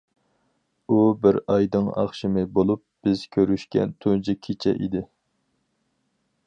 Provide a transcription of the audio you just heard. ئۇ بىر ئايدىڭ ئاخشىمى بولۇپ، بىز كۆرۈشكەن تۇنجى كېچە ئىدى.